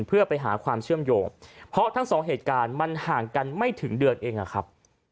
เพื่อไปหาความเชื่อมโยงเพราะทั้งสองเหตุการณ์มันห่างกันไม่ถึงเดือนเองอะครับ